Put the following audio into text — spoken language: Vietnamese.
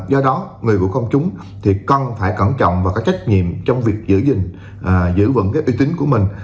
do đó người của công chúng thì cần phải cẩn trọng và có trách nhiệm trong việc giữ vững uy tín của mình